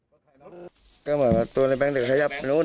ก็เหมือนตัวในแปลงหัวขยับไปนู่น